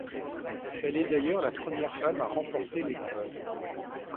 Elle est d'ailleurs la première femme à remporter l'épreuve.